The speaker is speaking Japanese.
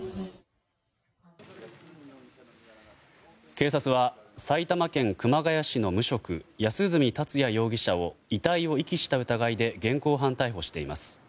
警察は、埼玉県熊谷市の無職、安栖達也容疑者を遺体を遺棄した疑いで現行犯逮捕しています。